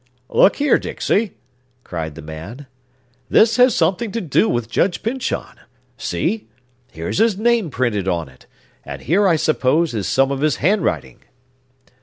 "Look here; Dixey!" cried the man. "This has something to do with Judge Pyncheon. See!—here's his name printed on it; and here, I suppose, is some of his handwriting."